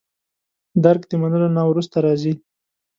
درک د منلو نه وروسته راځي.